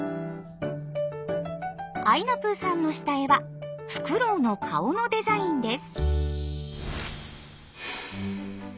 あいなぷぅさんの下絵はフクロウの顔のデザインです。